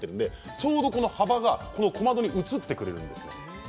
ちょうど幅がこの小窓に映ってくれるんです。